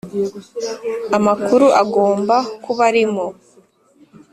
Amakuru agomba kuba arimo.